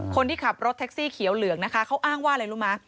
คนที่ขับรถแท็กซี่เขียวเหลืองนะคะเขาอ้างว่าอะไรรู้ไหม